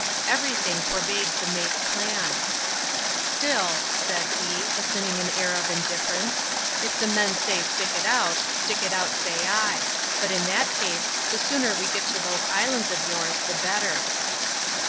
Every thing forbade the mate's plan. " Still," said he, assuming an air of indifference, • if the men say stick it ont, stick it out say I ; but in that case, the sooner we get to those islands of yours the better."